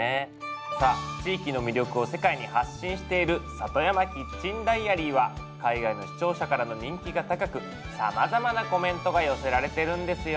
さあ地域の魅力を世界に発信している「ＳａｔｏｙａｍａＫｉｔｃｈｅｎＤｉａｒｙ」は海外の視聴者からの人気が高くさまざまなコメントが寄せられてるんですよ。